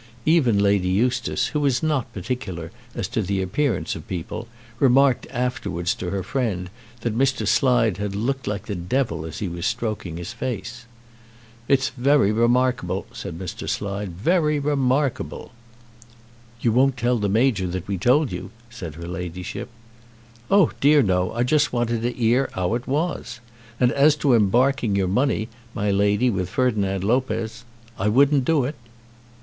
Even Lady Eustace, who was not particular as to the appearance of people, remarked afterwards to her friend that Mr. Slide had looked like the devil as he was stroking his face. "It's very remarkable," said Mr. Slide; "very remarkable!" "You won't tell the Major that we told you," said her Ladyship. "Oh dear, no. I only just wanted to 'ear how it was. And as to embarking your money, my lady, with Ferdinand Lopez, I wouldn't do it."